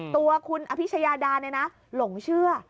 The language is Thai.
ตัวคุณอภิชยาดาเนี่ยนะหลงเชื่อ